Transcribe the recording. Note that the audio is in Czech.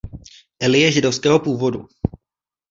Eli je židovského původu.